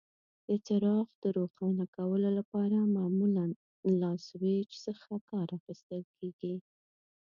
د څراغ د روښانه کولو لپاره معمولا له سویچ څخه کار اخیستل کېږي.